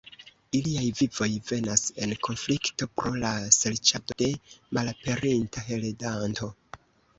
Iliaj vivoj venas en konflikto pro la serĉado de malaperinta heredanto.